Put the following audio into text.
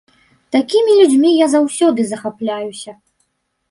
Такімі людзьмі я заўсёды захапляюся.